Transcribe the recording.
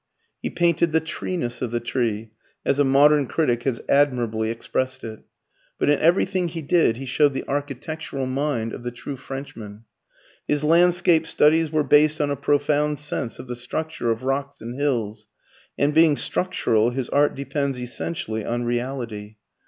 He painted the "treeness" of the tree, as a modern critic has admirably expressed it. But in everything he did he showed the architectural mind of the true Frenchman. His landscape studies were based on a profound sense of the structure of rocks and hills, and being structural, his art depends essentially on reality.